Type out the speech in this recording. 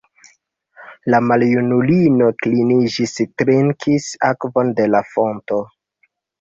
La maljunulino kliniĝis, trinkis akvon de la fonto.